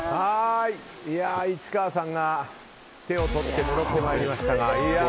市川さんが手を取って戻ってまいりましたが。